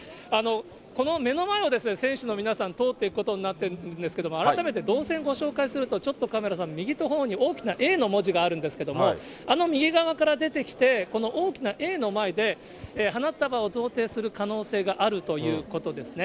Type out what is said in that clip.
この目の前を選手の皆さん、通っていくことになってるんですが、改めて動線ご紹介すると、ちょっとカメラさん、右のほうに大きなＡの文字があるんですけれども、あの右側から出てきて、この大きなＡの前で花束を贈呈する可能性があるということですね。